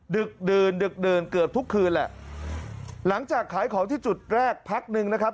ดึกดื่นดึกดื่นเกือบทุกคืนแหละหลังจากขายของที่จุดแรกพักหนึ่งนะครับ